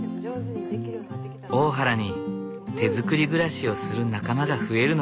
大原に手づくり暮らしをする仲間が増えるのがうれしい。